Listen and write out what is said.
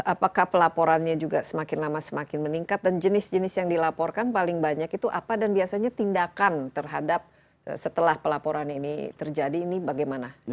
apakah pelaporannya juga semakin lama semakin meningkat dan jenis jenis yang dilaporkan paling banyak itu apa dan biasanya tindakan terhadap setelah pelaporan ini terjadi ini bagaimana